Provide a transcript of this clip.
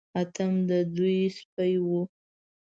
اتم د دوی سپی و.